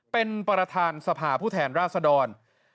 เป็นประธานสภาผู้แทนราชดร